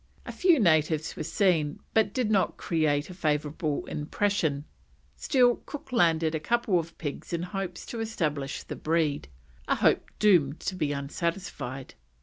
A few natives were seen, but did not create a favourable impression, still Cook landed a couple of pigs in hopes to establish the breed, a hope doomed to be unsatisfied.